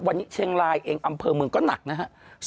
วันนี้เชียงรายเองอำเภอเมืองก็หนักนะครับ